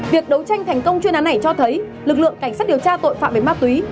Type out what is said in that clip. việc đấu tranh thành công chuyên án này cho thấy lực lượng cảnh sát điều tra tội phạm về ma túy